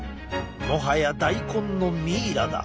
もはや大根のミイラだ。